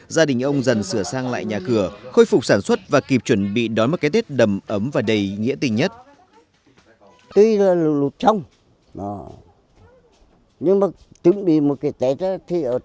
gia đình ông dần sửa sang lại nhà cửa khôi phục sản xuất và kịp chuẩn bị đón một cái tết đầm ấm và đầy nghĩa tình nhất